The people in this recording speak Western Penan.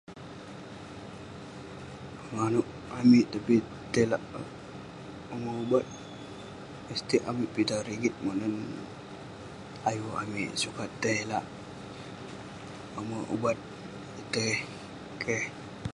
Nanouk amik tong umek ubat, mestik amik pitah rigit monen. Ayuk amik sukat tei lak umek ubat itei. Keh.